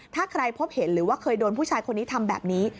ถ้าใครพบเห็นหรือว่าเคยโดนผู้ชายคนนี้ทำแบบนี้